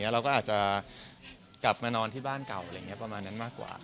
เราก็อาจจะกลับมานอนที่บ้านเก่าประมาณนั้นมากกว่า